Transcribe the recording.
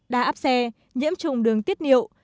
đa áp xe nhiễm trùng đường tiết niệu